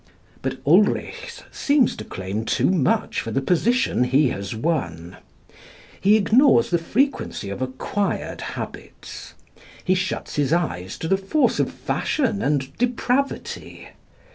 But Ulrichs seems to claim too much for the position he has won. He ignores the frequency of acquired habits. He shuts his eyes to the force of fashion and depravity.